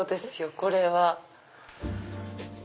これは。